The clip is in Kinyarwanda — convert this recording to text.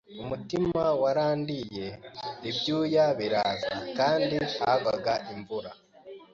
Umutima warandiye ibyuya biraza kandi hagwaga imvura.